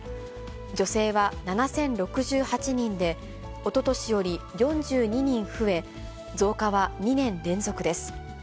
女性は７０６８人で、おととしより４２人増え、増加は２年連続です。